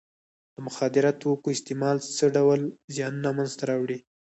د مخدره توکو استعمال څه ډول زیانونه منځ ته راوړي.